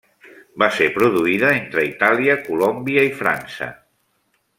Va ser produïda entre Itàlia, Colòmbia i França.